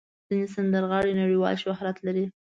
ځینې سندرغاړي نړیوال شهرت لري.